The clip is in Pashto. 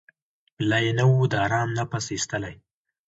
لا یې نه وو د آرام نفس ایستلی